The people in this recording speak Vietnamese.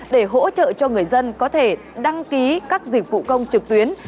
để hỗ trợ cho người dân có thể đăng ký các dịch vụ công trực tuyến